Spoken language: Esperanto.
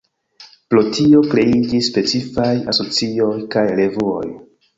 Pro tio, kreiĝis specifaj asocioj kaj revuoj.